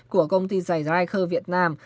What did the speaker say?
của công ty dày riker việt nam